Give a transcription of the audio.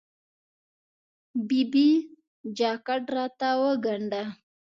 ببۍ! جاکټ راته وګنډه.